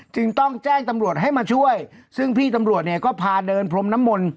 จึงต้องแจ้งตำรวจให้มาช่วยซึ่งพี่ตำรวจเนี่ยก็พาเดินพรมน้ำมนต์